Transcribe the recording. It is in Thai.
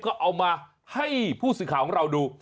ก็เอามาให้ผู้สื่อข่าวของเราดู